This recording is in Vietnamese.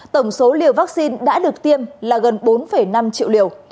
tổng số liều vaccine đã được tiêm là gần bốn năm triệu liều